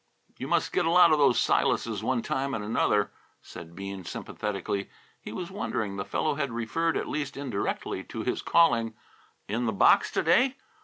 "You must get a lot of those Silases, one time and another," said Bean sympathetically. He was wondering; the fellow had referred at least indirectly to his calling. "In the box, to day?"